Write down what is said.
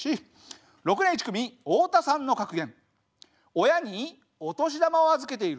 ６年１組オオタさんの格言。